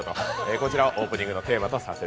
こちらをオープニングテーマにします。